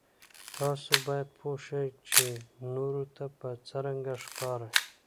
تاسو باید پوه شئ چې نورو ته به څرنګه ښکارئ.